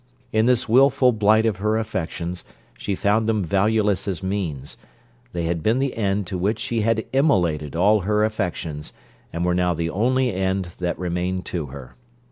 In this wilful blight of her affections, she found them valueless as means: they had been the end to which she had immolated all her affections, and were now the only end that remained to her.